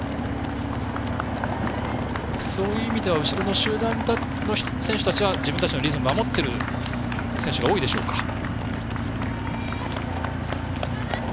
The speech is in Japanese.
そういう意味では後ろの集団の選手たちは自分たちのペースを守っている選手が多いでしょうか。